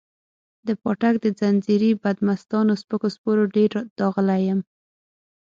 د پاټک د ځنځیري بدمستانو سپکو سپورو ډېر داغلی یم.